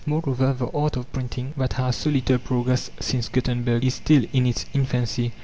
Moreover, the art of printing, that has so little progressed since Gutenberg, is still in its infancy.